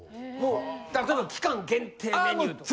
例えば期間限定メニューとか。